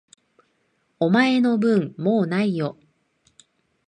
お前の分、もう無いよ。